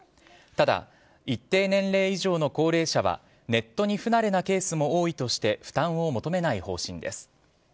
ただ、一定年齢以上の高齢者はネットに不慣れなケースも多いとして負担を求めない方針です。